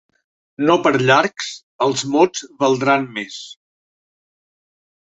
No per llargs els mots valdran més.